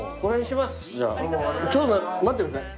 待ってください。